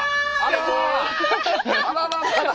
あらららら。